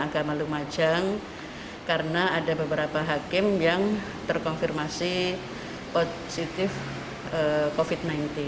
agama lumajang karena ada beberapa hakim yang terkonfirmasi positif covid sembilan belas